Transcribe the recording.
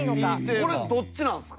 これどっちなんですか？